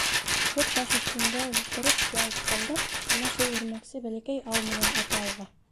Бер таш өҫтөндә ултырып ял иткәндә, ана шул үрмәксе бәләкәй ау менән ата уға.